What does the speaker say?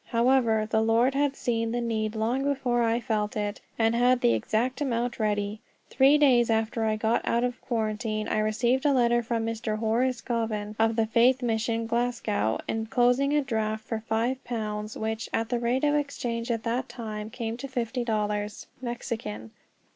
However, the Lord had seen the need long before I felt it, and had the exact amount ready. Three days after I got out of quarantine I received a letter from Mr. Horace Goven, of the Faith Mission, Glasgow, enclosing a draft for five pounds which, at the rate of exchange at that time, came to fifty dollars Mexican.